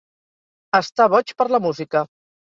Estar boig per la música.